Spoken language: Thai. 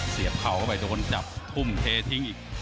เข่าเข้าไปโดนจับทุ่มเททิ้งอีก